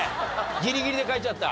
ギリギリで書いちゃった？